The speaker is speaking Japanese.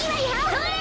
それ！